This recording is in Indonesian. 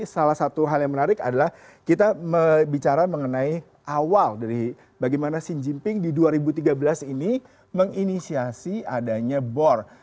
salah satu hal yang menarik adalah kita bicara mengenai awal dari bagaimana xi jinping di dua ribu tiga belas ini menginisiasi adanya bor